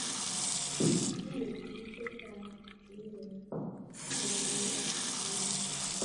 Kinetii biik che chang mpiret ne bo kelto eng ngony.